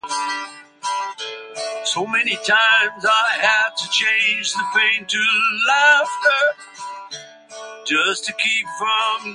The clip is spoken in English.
Many players for the Moroccan team are drawn from the French competition.